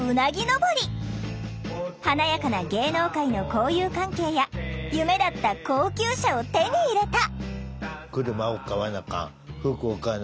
華やかな芸能界の交友関係や夢だった高級車を手に入れた！